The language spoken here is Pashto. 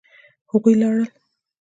هغوی لاړل.